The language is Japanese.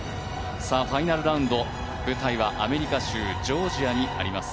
ファイナルラウンド、舞台はアメリカ・ジョージア州にあります